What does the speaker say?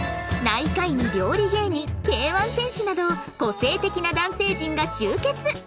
内科医に料理芸人 Ｋ−１ 選手など個性的な男性陣が集結